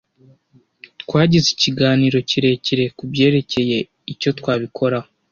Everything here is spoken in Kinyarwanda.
Twagize ikiganiro kirekire kubyerekeye icyo twabikoraho.